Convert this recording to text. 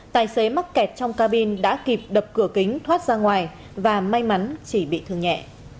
tài xế mắc kẹt trong cabin đã kịp đập cửa kính thoát ra ngoài và may mắn chỉ bị thương nhẹ